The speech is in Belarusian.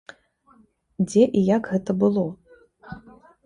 Дзе і як гэта было?